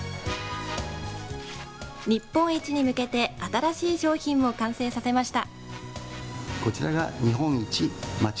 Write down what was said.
日本一に向けて新しい商品も完成させました。